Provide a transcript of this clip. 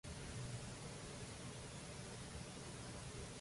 Durant la missa es cantaven els Goigs de Sant Cristòfol Gloriós.